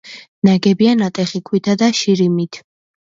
ნაგებია ნატეხი ქვითა და შირიმით.